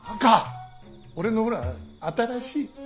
俺のほら新しい。